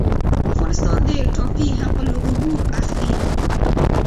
افغانستان د ټاپي حق العبور اخلي